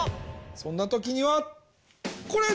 そんなときにはこれ！